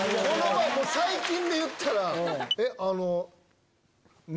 最近でいったら。